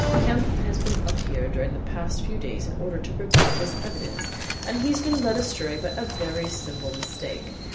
Kemp has been up here during the past few days in order to prepare his evidence, and he's been led astray by a very simple mistake.